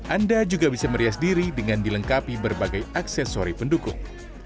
anda juga bisa merias diri dengan dilengkapi berbagai aksesori pendukung